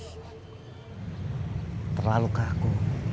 tidak terlalu kaku